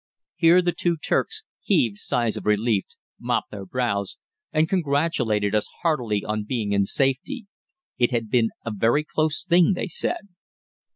Here the two Turks heaved sighs of relief, mopped their brows, and congratulated us heartily on being in safety. It had been a very close thing they said.